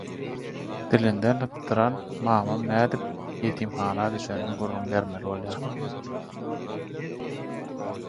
Dilinden sypdyran mamam nädip ýetimhana düşenini gürrüň bermeli bolýar.